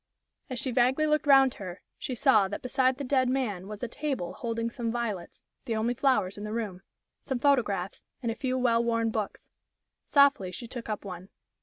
As she vaguely looked round her, she saw that beside the dead man was a table holding some violets the only flowers in the room some photographs, and a few well worn books. Softly she took up one.